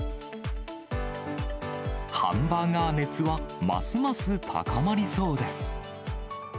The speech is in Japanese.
ハンバーガー熱は、ますます高まりそうです。